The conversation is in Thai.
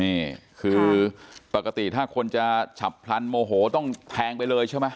นี่คือปกติถ้าคนจะฉับพลันโมโหต้องแทงไปเลยใช่ไหม